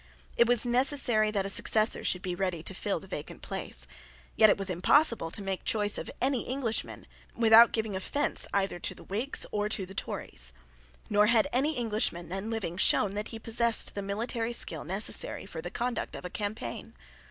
It was necessary that a successor should be ready to fill the vacant place. Yet it was impossible to make choice of any Englishman without giving offence either to the Whigs or to the Tories; nor had any Englishman then living shown that he possessed the military skill necessary for the conduct of a campaign.